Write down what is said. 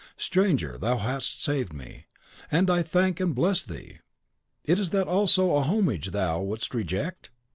Stranger, thou hast saved me, and I thank and bless thee! Is that also a homage thou wouldst reject?"